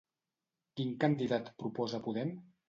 Quin candidat proposa Podem?